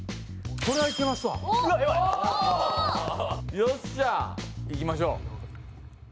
よっしゃー！いきましょう。